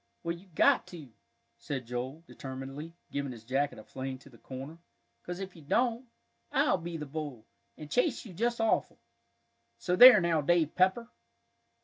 "Well, you've got to," said Joel, determinedly, giving his jacket a fling to the corner, "'cause if you don't, I'll be the bull, and chase you just awful. So there now, Dave Pepper!"